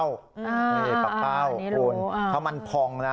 อ่านี่ปักเป้าคุณเขามันพองนะ